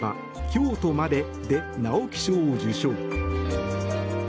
「京都まで」で直木賞を受賞。